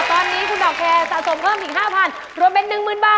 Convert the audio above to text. ตอนนี้คุณดอกแคร์สะสมเพิ่มถึง๕๐๐รวมเป็น๑๐๐๐บาท